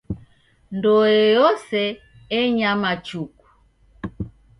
Ndoe yose enyama chuku.